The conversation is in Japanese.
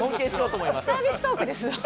サービストークですよ。